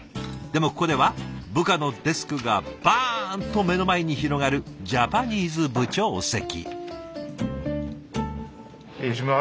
でもここでは部下のデスクがバーンと目の前に広がるジャパニーズ部長席。